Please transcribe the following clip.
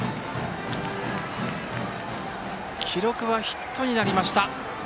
記録はヒットになりました。